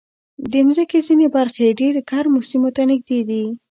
د مځکې ځینې برخې ډېر ګرمو سیمو ته نږدې دي.